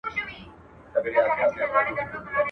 د ځان صفت بې عقل سړى کوي.